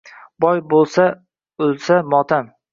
Boy o’lsa-motam.